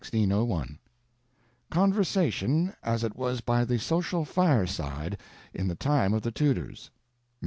] CONVERSATION, AS IT WAS BY THE SOCIAL FIRESIDE, IN THE TIME OF THE TUDORS.